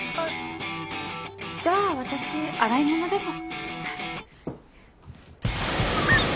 じゃあ私洗い物でも。